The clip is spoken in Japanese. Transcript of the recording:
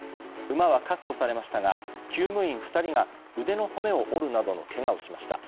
馬は確保されましたが厩務員２人が腕の骨を折るなどのけがをしました。